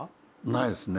ないですね。